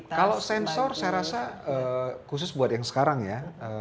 kalau sensor saya rasa khusus buat yang sekarang ya